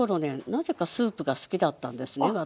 なぜかスープが好きだったんですね私。